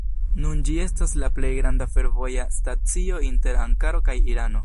Nun ĝi estas la plej granda fervoja stacio inter Ankaro kaj Irano.